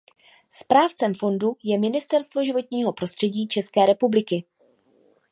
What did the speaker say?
Správcem fondu je Ministerstvo životního prostředí České republiky.